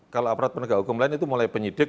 kalau aph itu mulai penyidik